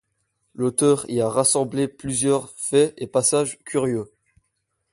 L'auteur y a rassemblé plusieurs faits et passages curieux.